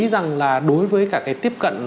rằng là đối với cả cái tiếp cận